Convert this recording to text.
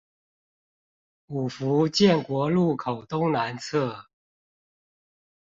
五福建國路口東南側